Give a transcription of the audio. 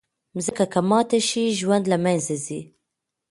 مځکه که ماته شي، ژوند له منځه ځي.